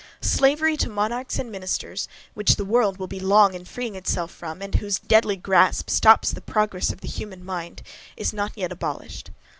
Slavery to monarchs and ministers, which the world will be long in freeing itself from, and whose deadly grasp stops the progress of the human mind, is not yet abolished.